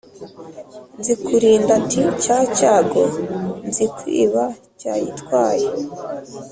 Nzikurinda ati: "Cya cyago Nzikwiba cyayitwaye!"